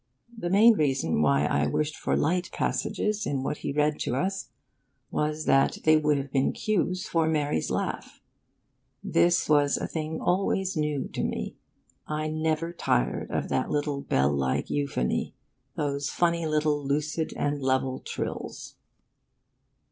The main reason why I wished for light passages in what he read to us was that they would have been cues for Mary's laugh. This was a thing always new to me. I never tired of that little bell like euphony; those funny little lucid and level trills.